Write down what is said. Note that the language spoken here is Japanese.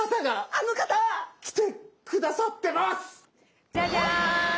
あの方？来てくださってます！